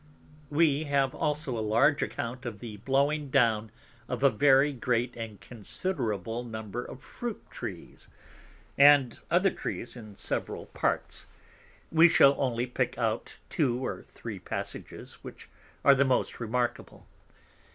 We have also a large Account of the blowing down of a very great and considerable Number of Fruit Trees, and other Trees in several Parts; we shall only pick out two or three Passages which are the most remarkable.